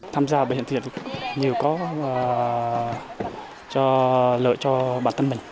tham gia bảo hiểm xã hội tự nguyện nhiều có lợi cho bản thân mình